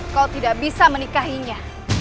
kau tidak bisa menikahinya